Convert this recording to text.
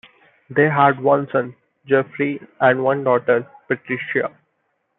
They had one son, Geoffrey, and one daughter, Patricia.